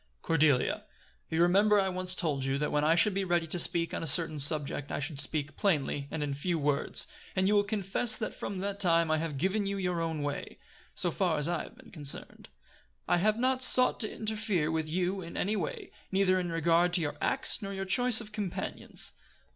"Cordelia you remember I once told you that when I should be ready to speak on a certain subject I should speak plainly, and in few words; and you will confess that from that time I have given you your own way, so far as I have been concerned. I have not sought to interfere with you in any way, neither in regard to your acts nor your choice of companions.